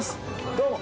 どうも！